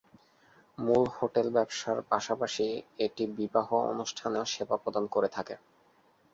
মূল হোটেল ব্যবসার পাশাপাশি এটি বিবাহ অনুষ্ঠানেও সেবা প্রদান করে থাকে।